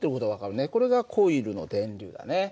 これがコイルの電流だね。